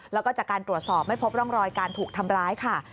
แล้วก็จากการตรวจสอบไม่พบร่องรอยการถูกทำร้ายค่ะ